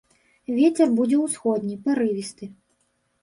Вецер будзе ўсходні, парывісты.